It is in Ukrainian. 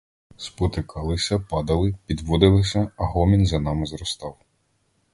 Спотикалися, падали, підводилися, а гомін за нами зростав.